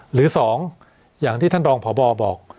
หรือ๒อย่างที่ท่านรองพบบอก